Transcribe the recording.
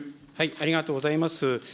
ありがとうございます。